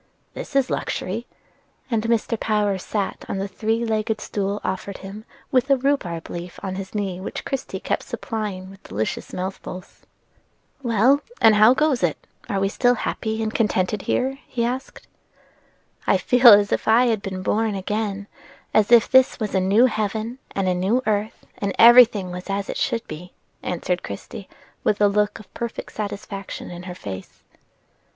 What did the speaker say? "This is luxury!" and Mr. Power sat down on the three legged stool offered him, with a rhubarb leaf on his knee which Christie kept supplying with delicious mouthfuls. [Illustration: MR. POWER AND CHRISTIE IN THE STRAWBERRY BED.] "Well, and how goes it? Are we still happy and contented here?" he asked. "I feel as if I had been born again; as if this was a new heaven and a new earth, and every thing was as it should be," answered Christie, with a look of perfect satisfaction in her face.